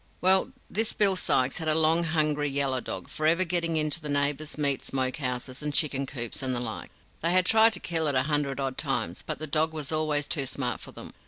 "Well, this Bill Sykes had a long, hungry yaller dog, forever getting into the neighbors' meat smokehouses, and chicken coops, and the like. They had tried to kill it a hundred odd times, but the dog was always too smart for them.